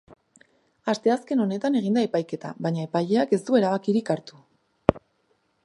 Asteazken honetan egin da epaiketa, baina epaileak ez du erabakirik hartu.